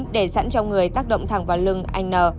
sau bấm để sẵn trong người tác động thẳng vào lưng anh n